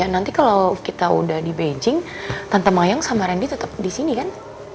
nanti kalau kita udah di beijing tante mayang sama randi tetep disini kan